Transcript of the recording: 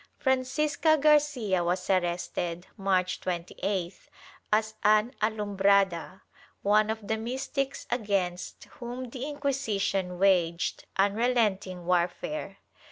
Francisca Garcia was arrested, March 28th, as an alumhrada — one of the mystics against whom the Inquisition waged unrelenting warfare.